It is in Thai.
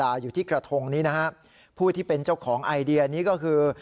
อยู่ที่กระทงนี้นะฮะผู้ที่เป็นเจ้าของไอเดียนี้ก็คือ